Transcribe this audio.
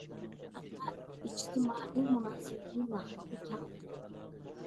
ئەمما ئىجتىمائىي مۇناسىۋىتى ناھايىتى كەڭ ئىدى.